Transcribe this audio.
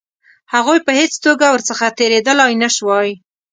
هغوی په هېڅ توګه ورڅخه تېرېدلای نه شوای.